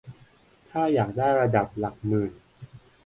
ถ้าอยากได้ระดับหลักหมื่น